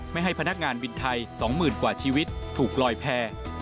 ไม่ให้พนักงานวินไทย๒๐๐๐กว่าชีวิตถูกลอยแพร่